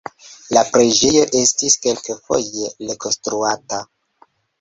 La preĝejo estis kelkfoje rekonstruata.